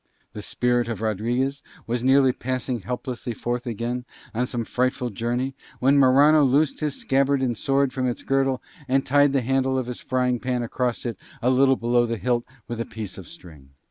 The spirit of Rodriguez was nearly passing helplessly forth again on some frightful journey, when Morano losed his scabbard and sword from its girdle and tied the handle of his frying pan across it a little below the hilt with a piece of string.